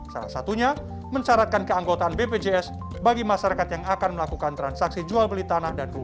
salah satunya mencaratkan keanggotaan bpjs bagi masyarakat yang akan melakukan transaksi jual beli tanah dan rumah